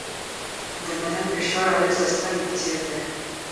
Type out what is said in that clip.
د بدن فشار اغېز د ستنې په څېر دی.